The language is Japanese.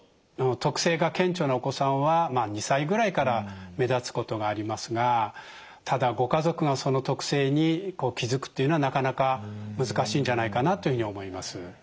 特性が顕著なお子さんは２歳ぐらいから目立つことがありますがただご家族がその特性に気付くっていうのはなかなか難しいんじゃないかなというふうに思います。